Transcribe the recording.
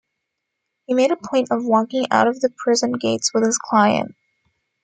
He made a point of walking out of the prison gates with his client.